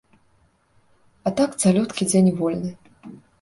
А так цалюткі дзень вольны.